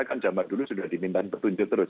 kan zaman dulu sudah dimintain petunjuk terus